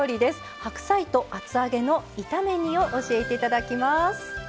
白菜と厚揚げの炒め煮を教えていただきます。